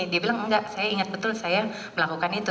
dia bilang enggak saya ingat betul saya melakukan itu